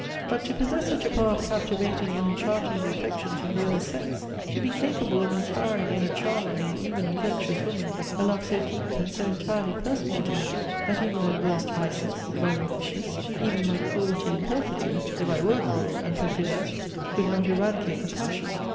But to possess such a power of captivating and enchanting the affections of the other sex! to be capable of inspiring in a charming and even a virtuous woman, a love so deep, and so entirely personal to me! that even my worst vices, (if I were vicious), even my cruelty and perfidy, (if I were cruel and perfidious), could not eradicate the passion!